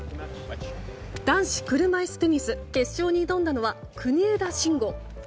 男子車いすテニス決勝に挑んだのは国枝慎吾。